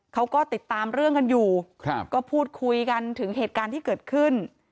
เขาก็ติดตามเรื่องกันอยู่ก็พูดคุยกันถึงเหตุการณ์ที่เกิดขึ้น